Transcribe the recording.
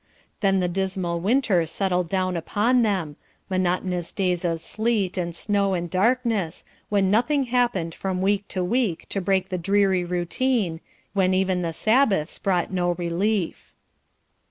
Then the dismal winter settled down upon them, monotonous days of sleet and snow and darkness, when nothing happened from week to week to break the dreary routine, when even the Sabbaths brought no relief.